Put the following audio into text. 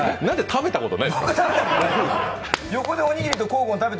何で食べたことないの？